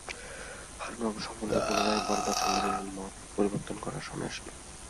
হারানবাবুর সম্বন্ধে পুনরায় বরদাসুন্দরীর মত পরিবর্তন করিবার সময় আসিল।